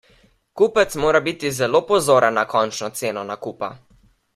Kupec mora biti zelo pozoren na končno ceno nakupa.